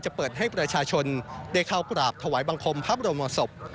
เปิดให้ประชาชนได้เข้ากราบถวายบังคมพระบรมศพ